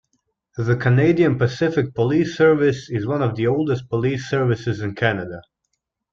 The Canadian Pacific Police Service is one of the oldest police services in Canada.